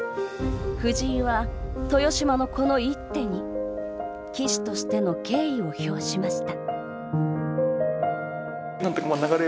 藤井は豊島のこの一手に棋士としての敬意を表しました。